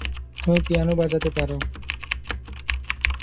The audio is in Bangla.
তুমি পিয়ানো বাজাতে পার?